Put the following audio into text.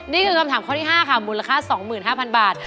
นี่คือคำถามข้อที่๕ค่ะมูลค่า๒๕๐๐บาท